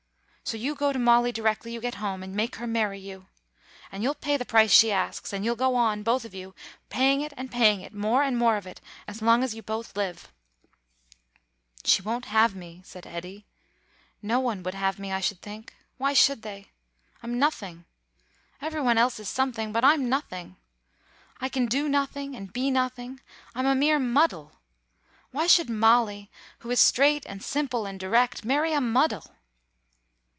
So you go to Molly directly you get home, and make her marry you. And you'll pay the price she asks, and you'll go on, both of you, paying it and paying it, more and more of it, as long as you both live." "She won't have me," said Eddy. "No one would have me, I should think. Why should they? I'm nothing. Everyone else is something; but I'm nothing. I can do nothing, and be nothing. I am a mere muddle. Why should Molly, who is straight and simple and direct, marry a muddle?"